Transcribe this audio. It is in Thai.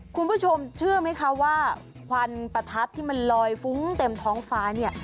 คุณผู้ชมเชื่อไหมคะว่าควันประทัดที่มันลอยฟุ้งเต็มท้องฟ้าเนี่ย